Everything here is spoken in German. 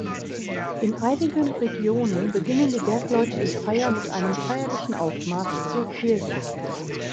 In einigen Regionen beginnen die Bergleute die Feier mit einem feierlichen Aufmarsch zur Kirche.